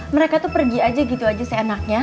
mereka tuh pergi aja gitu aja seenaknya